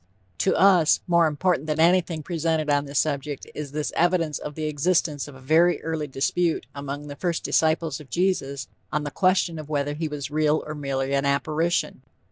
To us, more important than anything presented on this subject, is this evidence of the existence of a very early dispute among the first disciples of Jesus on the question of whether he was real or merely an apparition.